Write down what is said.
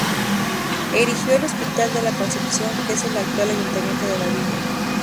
Erigió el Hospital de la Concepción, que es el actual ayuntamiento de la villa.